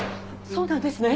そうなんですね？